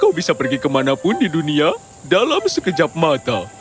kau bisa pergi kemanapun di dunia dalam sekejap mata